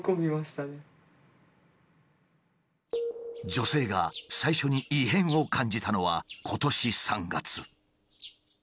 女性が最初に異変を感じたのは今年３月。